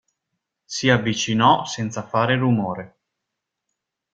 Si avvicinò senza fare rumore.